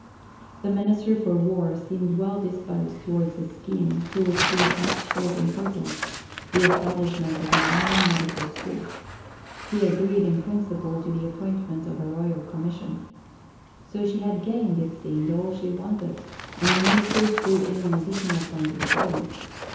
The Minister for War seemed well disposed towards a scheme to which she attached great importance the establishment of an Army Medical School. He agreed in principle to the appointment of a Royal Commission. So she had gained, it seemed, all she wanted, and the Minister threw in an additional point of his own.